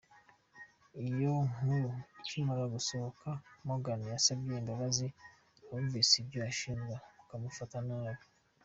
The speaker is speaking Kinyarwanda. Iyo nkuru ikimara gusohoka, Morgan yasabye imbabazi abumvise ibyo ashinjwa bakamufata nabi.